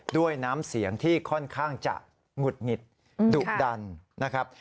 ด้วยน้ำเสียงที่ค่อนข้างจะหงุดหงิดดุดันนะครับ